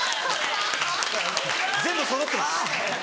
全部そろってます。